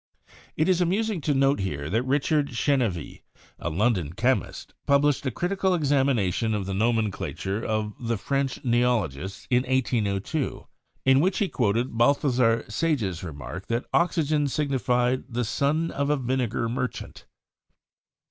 It is amusing to note here that Richard Chenevix, a London chemist, published a critical examination of the nomenclature of the "French Neologists" in 1802, in which he quoted Balthazar Sage's remark that oxygen signified the "son of a vinegar mer chant."